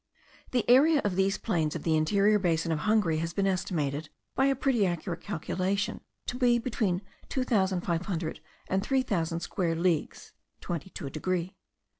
The area of these plains of the interior basin of Hungary has been estimated, by a pretty accurate calculation, to be between two thousand five hundred and three thousand square leagues (twenty to a degree).